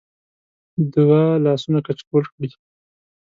د وه لاسونه کچکول کړی